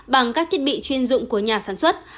bằng các thiết bị chuyên dụng của nhà sản xuất